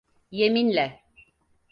Yeminle…